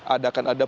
ada kan ada puluhan